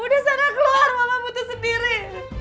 di sana keluar mama butuh sendiri